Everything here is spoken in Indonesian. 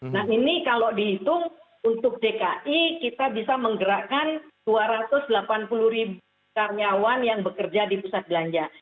nah ini kalau dihitung untuk dki kita bisa menggerakkan dua ratus delapan puluh ribu karyawan yang bekerja di pusat belanja